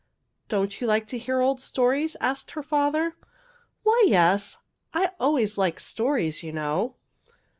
"Don't you like to hear old stories?" asked her father. "Why, yes! I always like stories, you know."